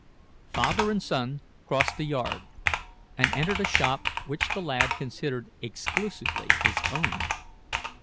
Father and son crossed the yard, and entered a shop which the lad considered exclusively his own.